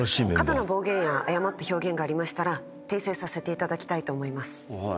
過度の暴言や誤った表現がありましたら訂正させていただきたいと思います。